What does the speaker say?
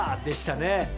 でしたね。